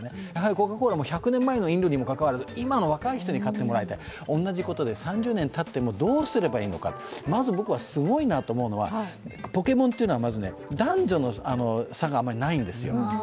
コカ・コーラも１００年前の飲料にもかかわらず今の若い人に買ってもらいたい、同じことで、３０年たってもどうすればいいのか、まず僕はすごいなと思うのは、ポケモンというのは男女の差があまりないんですよ。